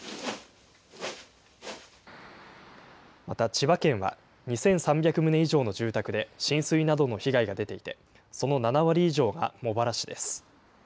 また、千葉県は、２３００棟以上の住宅で浸水などの被害が出ていて、その７割以上が茂原市です。